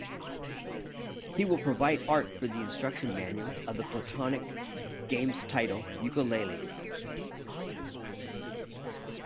He will provide art for the instruction manual of the Playtonic Games title, "Yooka-Laylee".